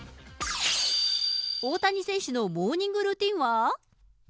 大谷選手のモーニングルーティンは？